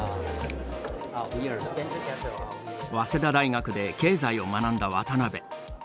早稲田大学で経済を学んだ渡辺。